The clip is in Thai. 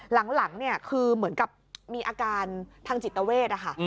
หลังคือเหมือนกับมีอาการทางจิตเวทนะคะ